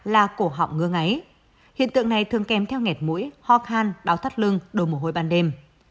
là cổ họng ngưa ngáy hiện tượng này thường kèm theo nghẹt mũi ho khăn đau thắt lưng đồ mồ hôi ban đêm